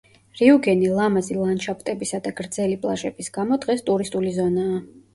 რიუგენი ლამაზი ლანდშაფტებისა და გრძელი პლაჟების გამო, დღეს ტურისტული ზონაა.